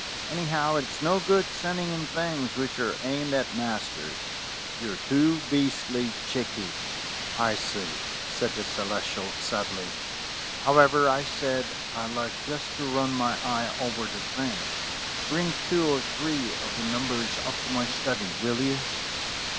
Anyhow, it's no good sending in things which are aimed at masters. You're too beastly cheeky." "I see," said the Celestial sadly. "However, I said I'd like just to run my eye over the thing. Bring two or three of the numbers up to my study, will you?"